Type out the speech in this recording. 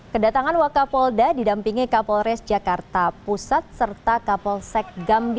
kedatangan wakapolda didampingi kapolres jakarta pusat serta kapolsek gambi